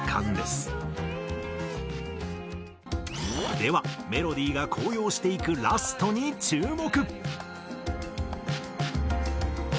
ではメロディーが高揚していくラストに注目。